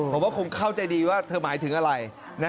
ผมว่าคงเข้าใจดีว่าเธอหมายถึงอะไร